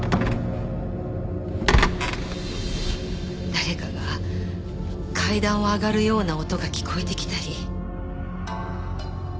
誰かが階段を上がるような音が聞こえてきたり。